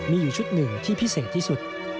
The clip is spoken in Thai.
มีอยู่ชุดหนึ่งที่พิเศษที่สุด